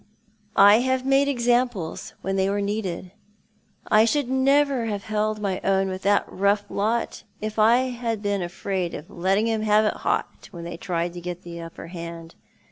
I have made ex amples when they were needed. I should never have held my own with that rough lot if I had been afraid of letting 'oni have it hot when they tried to get the upper hand.